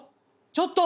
ちょっと！